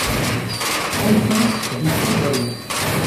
trente-cinq rue Feydel